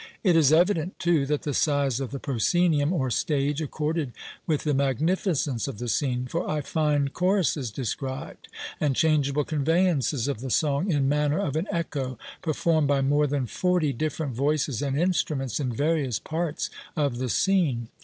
It is evident, too, that the size of the proscenium, or stage, accorded with the magnificence of the scene; for I find choruses described, "and changeable conveyances of the song," in manner of an echo, performed by more than forty different voices and instruments in various parts of the scene.